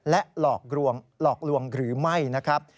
และหลอกลวงหรือไม่นะครับ